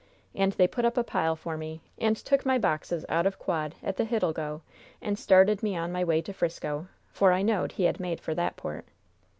And they put up a pile for me, and took my boxes out of quod, at the Hidalgo, and started me on my way to 'Frisco, for I knowed he had made for that port.